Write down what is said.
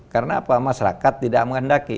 karena apa masyarakat tidak mengendaki